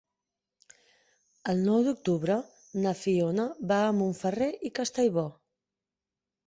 El nou d'octubre na Fiona va a Montferrer i Castellbò.